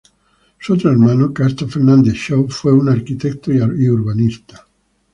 Su otro hermano, Casto Fernández-Shaw, fue un arquitecto y urbanista.